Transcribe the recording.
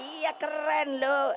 iya keren loh